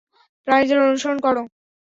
প্রাণীদের অনুসরণ করো।